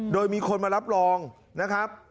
โดยมีคนมารับรองนะครับ